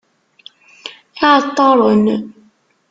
Iεeṭṭaren.